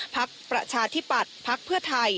พักประชาธิปัตย์พักเพื่อไทย